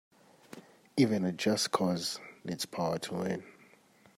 Even a just cause needs power to win.